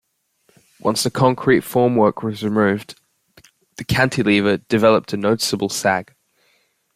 Once the concrete formwork was removed, the cantilever developed a noticeable sag.